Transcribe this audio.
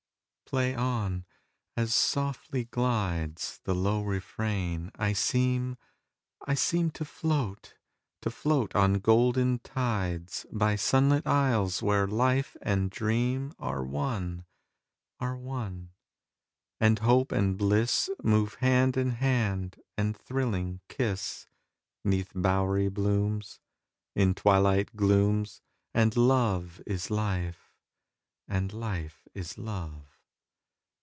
Play on! As softly glidesThe low refrain, I seem, I seemTo float, to float on golden tides, By sunlit isles, where life and dreamAre one, are one; and hope and blissMove hand in hand, and thrilling, kiss'Neath bowery blooms, In twilight glooms, And love is life, and life is love.